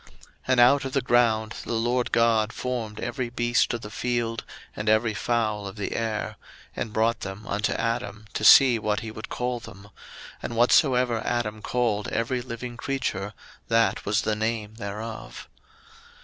01:002:019 And out of the ground the LORD God formed every beast of the field, and every fowl of the air; and brought them unto Adam to see what he would call them: and whatsoever Adam called every living creature, that was the name thereof.